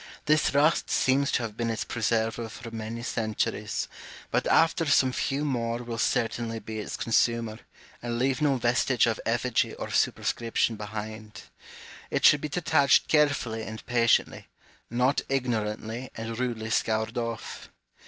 This rust seems to have been its preserver for many centuries, but after some few more will certainly be its consumer, and leave no vestige of effigy or superscription behind : it should be detached carefully and patiently, not ignorantly and rudely scoured off.